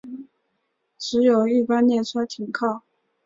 只有一般列车停靠。